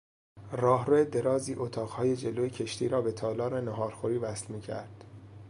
راهرو درازی اتاقهای جلو کشتی را به تالار ناهارخوری وصل میکرد.